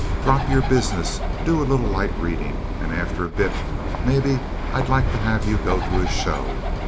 Drop your business. Do a little light reading, and after a bit maybe I'd like to have you go to a show.